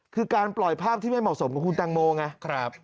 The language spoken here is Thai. คือการปล่อยภาพที่ไม่เหมาะสมกับคุณแตงโมไง